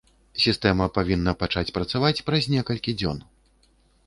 Сістэма павінна пачаць працаваць праз некалькі дзён.